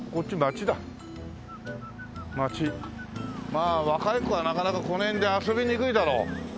まあ若い子はなかなかこの辺で遊びにくいだろう。